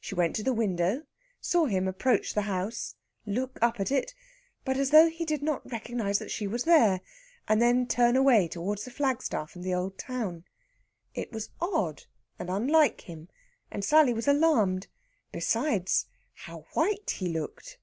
She went to the window, saw him approach the house, look up at it, but as though he did not recognise that she was there, and then turn away towards the flagstaff and the old town. It was odd and unlike him, and Sally was alarmed. Besides, how white he looked!